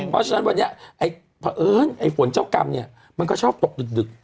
เพราะฉะนั้นวันนี้เอิ้นฝนเจ้ากรรมมันก็ชอบตกดึก